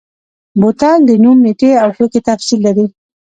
بوتل د نوم، نیټې او توکي تفصیل لري.